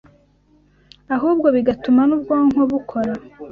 ahubwo bigatuma n’ubwonko bukora